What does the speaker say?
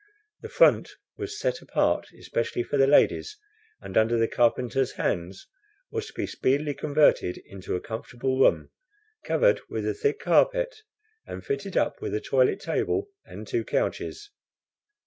The front was set apart especially for the ladies, and, under the carpenter's hands, was to be speedily converted into a comfortable room, covered with a thick carpet, and fitted up with a toilet table and two couches.